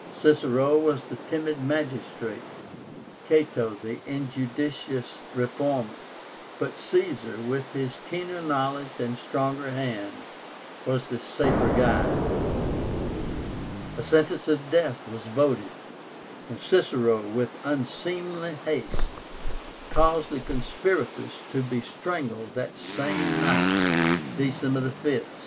Cicero was the timid magistrate; Cato, the injudicious reformer; but Caesar, with his keener knowledge and stronger hand, was the safer guide. A sentence of death was voted; and Cicero, with unseemly haste, caused the conspirators to be strangled that same night (December 5, 63).